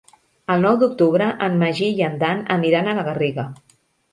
El nou d'octubre en Magí i en Dan aniran a la Garriga.